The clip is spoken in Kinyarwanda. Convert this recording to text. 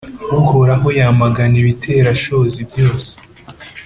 Uhoraho yamagana ibiterashozi byose,